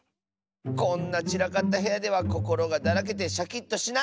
こんなちらかったへやではこころがだらけてシャキッとしない！